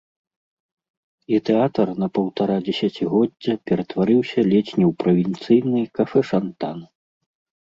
І тэатр на паўтара дзесяцігоддзя ператварыўся ледзь не ў правінцыйны кафэшантан.